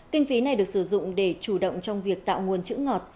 kinh phí này được sử dụng để chủ động trong việc tạo nguồn chữ ngọt